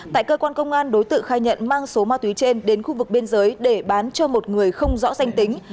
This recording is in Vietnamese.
tại cơ quan công an đối tượng khai nhận mang số ma túy trên đến khu vực biên giới để bán cho một người không rõ danh tính